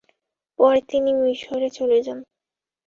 পরে তিনি মিসরে চলে যান।